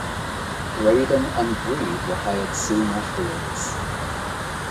Braden and Breed were hired soon afterwards.